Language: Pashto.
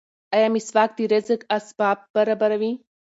ایا مسواک د رزق اسباب برابروي؟